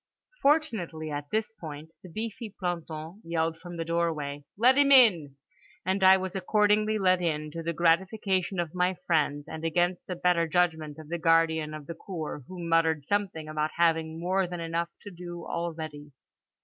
Fortunately at this point the beefy planton yelled from the doorway "Let him in," and I was accordingly let in, to the gratification of my friends, and against the better judgment of the guardian of the cour, who muttered something about having more than enough to do already.